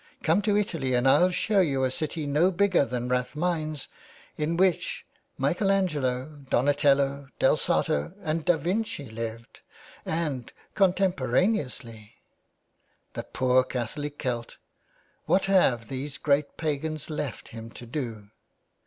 Come to Italy and I'll show you a city no bigger than Rathmines, in which Michael Angelo, Donatello, Del Sarto and Da Vinci lived, and contemporaneously. The poor Catholic Celt I What have these great pagans left him to do.